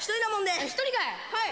「一人かい！」